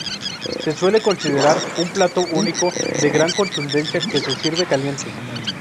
Se suele considerar un plato único de gran contundencia que se sirve caliente.